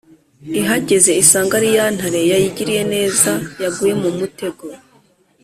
ihageze isanga ari ya ntare yayigiriye neza yaguye mu mutego.